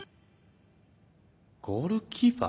ゴールキーパー？